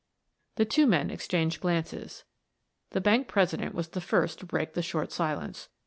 The two men exchanged glances. The bank president was the first to break the short silence.